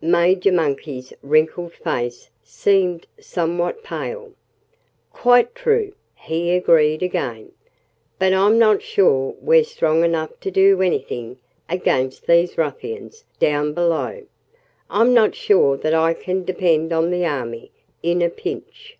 Major Monkey's wrinkled face seemed somewhat pale. "Quite true!" he agreed again. "But I'm not sure we're strong enough to do anything against these ruffians down below. I'm not sure that I can depend on the army in a pinch."